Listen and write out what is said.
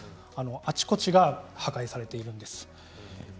あちこちが破壊されているんです。